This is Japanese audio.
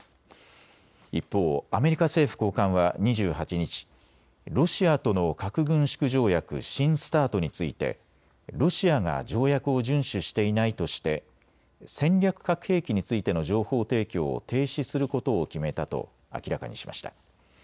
一方、アメリカ政府高官は２８日、ロシアとの核軍縮条約新ＳＴＡＲＴについてロシアが条約を順守していないとして戦略核兵器についての情報提供を停止することを決めたと明らかにしました。